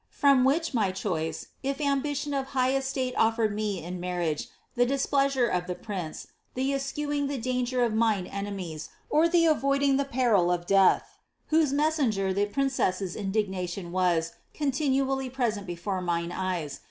From which my 'i^'i: ^^ if ambition of high estate otfercd mc in marriage, llio displeasure of tho rrin .*, the es^chewing the danger of mine enemies, or the avoiding the peril of >a:h. (who>e messenger the princess' indignation was, continually prc^ent > jI.fe mine eyes.)